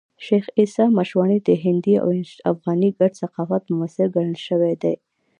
شېخ عیسي مشواڼي د هندي او افغاني ګډ ثقافت ممثل ګڼل سوى دئ.